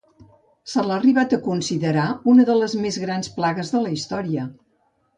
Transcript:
Se l'ha arribat a considerar com l'una de les més grans plagues de la història.